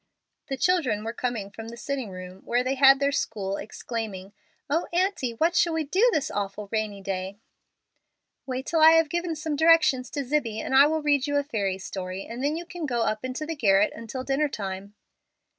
The children were just coming from the sitting room where they had their school, exclaiming, "Oh, aunty, what shall we do this awful rainy day?" "Wait till I have given some directions to Zibbie, and I will read you a fairy story, and then you can go up into the garret until dinner time."